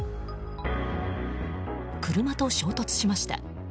車と衝突しました。